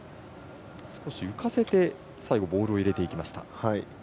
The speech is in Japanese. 少し浮かせて最後、ボールを入れていきました。